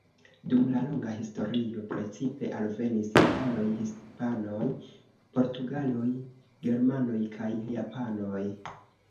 Dum la longa historio precipe alvenis italoj, hispanoj, portugaloj, germanoj kaj japanoj.